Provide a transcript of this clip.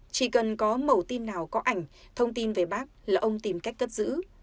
chỉ cần có màu tin nào có ảnh thông tin về bác là ông tìm cách cất giữ